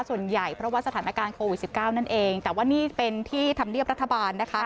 ส่วนใหญ่เพราะว่าสถานการณ์โควิด๑๙นั่นเองแต่ว่านี่เป็นที่ธรรมเนียบรัฐบาลนะคะ